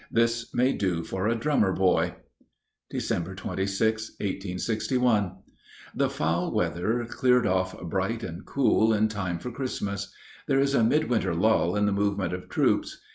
"This may do for a drummer boy." Dec. 26, 1861. The foul weather cleared off bright and cool in time for Christmas. There is a midwinter lull in the movement of troops.